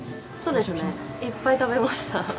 そうですね、いっぱい食べました。